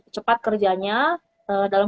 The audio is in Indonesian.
cepat kerjanya dalam